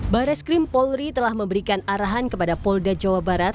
bares krim polri telah memberikan arahan kepada polda jawa barat